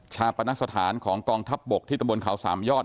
ชาปท์นักสถานของกองทัพบกที่ตะบลขาวสอามยอด